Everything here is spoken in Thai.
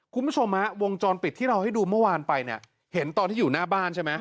คุณผู้ชมฮะวงจรปิดที่เราให้ดูเมื่อวานไปเนี่ยเห็นตอนที่อยู่หน้าบ้านใช่ไหม